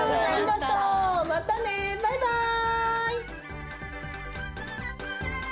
またねバイバイ！